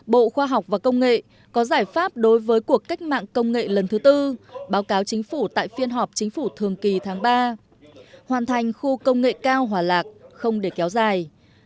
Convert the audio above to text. bộ khoa học và công nghệ có giải pháp đối với cuộc cách mạng công nghệ lần thứ tư báo cáo chính phủ tại phiên họp chính phủ thường kỳ tháng ba hoàn thành khu công nghệ cao hòa lạc không để kéo dài